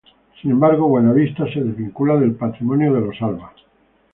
Sin embargo, Buenavista se desvincula del patrimonio de los Alba.